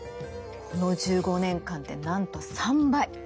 この１５年間でなんと３倍！